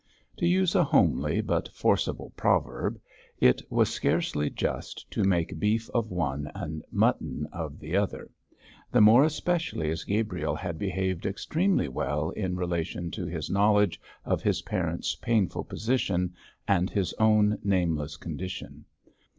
To use a homely but forcible proverb, it was scarcely just to make beef of one and mutton of the other, the more especially as Gabriel had behaved extremely well in relation to his knowledge of his parents' painful position and his own nameless condition.